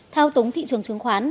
thao túng thị trường chứng khoán